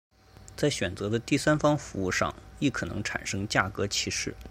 在选择的第三方服务上亦可能产生价格歧视。